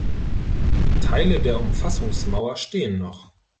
Teile der Umfassungsmauer stehen noch.